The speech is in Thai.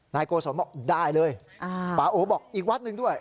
นายโกศลบอกได้เลยป่าโอบอกอีกวัดหนึ่งด้วย